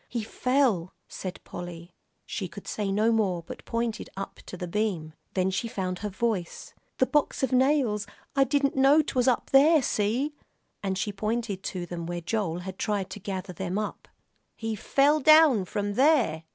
"He fell," said Polly. She could say no more, but pointed up to the beam. Then she found her voice. "The box of nails I didn't know 'twas up there, see!" and she pointed to them, where Joel had tried to gather them up. "He fell down from there?"